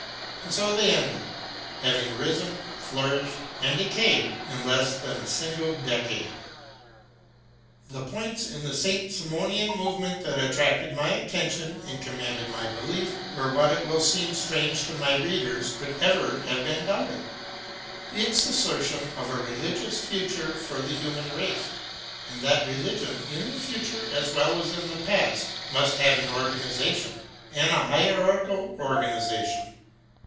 And so they ended, having risen, flourished, and decayed in less than a single decade. The points in the Saint Simonian movement that arrested my attention and commanded my belief were what it will seem strange to my readers could ever have been doubted, its assertion of a religious future for the human race, and that religion, in the future as well as in the past, must have an organization, and a hierarchical organization.